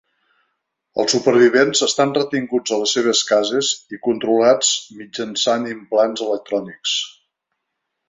Els supervivents estan retinguts a les seves cases i controlats mitjançant implants electrònics.